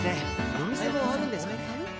出店もあるんですかね。